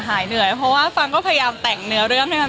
หายเหนื่อยเพราะว่าฟังก็พยายามแต่งเนื้อเรื่องนะครับ